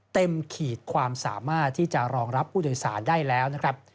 ขีดความสามารถที่จะรองรับผู้โดยสารได้แล้วนะครับ